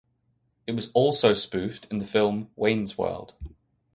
It was also spoofed in the film Wayne's World.